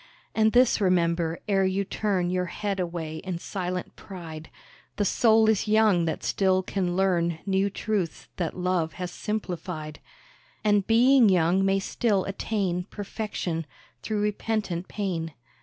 And this remember, ere you turn Your head away in silent pride, The soul is young that still can learn New truths that Love has simplified; And being young may still attain Perfection, through repentant pain.